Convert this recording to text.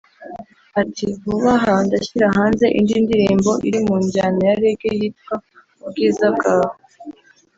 Ati “Vuba aha ndashyira hanze indi ndirimbo iri mu njyana ya Reggae yitwa “Ubwiza Bwawe”